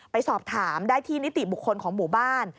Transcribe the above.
ไปสอบถามได้ที่นิติบุคคลของหมู่บ้าน